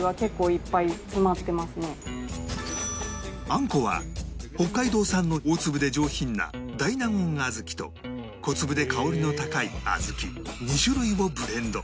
あんこは北海道産の大粒で上品な大納言小豆と小粒で香りの高い小豆２種類をブレンド